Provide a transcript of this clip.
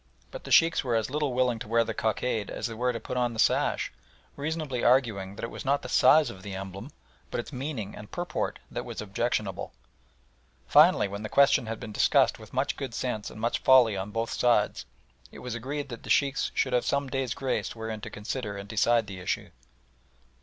But the Sheikhs were as little willing to wear the cockade as they were to put on the sash, reasonably arguing that it was not the size of the emblem but its meaning and purport that was objectionable. Finally, when the question had been discussed with much good sense and much folly on both sides, it was agreed that the Sheikhs should have some days' grace wherein to consider and decide the issue.